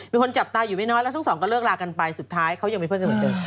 มีคนจับตาอยู่ไม่น้อยแล้วทั้งสองก็เลิกลากันไปสุดท้ายเขายังมีเพื่อนกันเหมือนเดิม